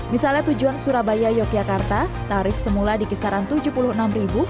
misalnya tujuan surabaya yogyakarta tarif semula di kisaran rp tujuh puluh enam